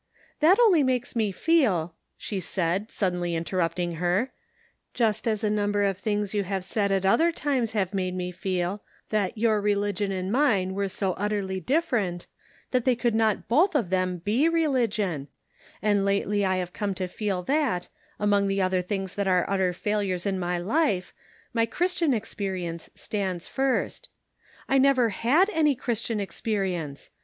"That only makes me feel," she said, sud denly interrupting her, "just as a number of An Open Door. 301 things }'ou have said, at other times, have made me feel that your religion and mine were so utterly different, that they could not loth of them be religion ; and lately I have come to feel that, among the things that are utter fail ures in my life, my Christian experience stands first. I never had any Christian experience.